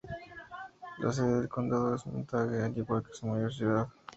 La sede del condado es Montague, al igual que su mayor ciudad.